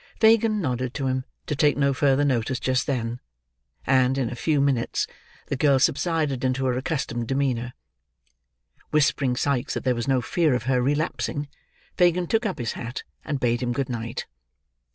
Fagin nodded to him to take no further notice just then; and, in a few minutes, the girl subsided into her accustomed demeanour. Whispering Sikes that there was no fear of her relapsing, Fagin took up his hat and bade him good night.